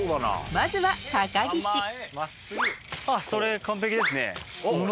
まずは高岸それ完璧ですね。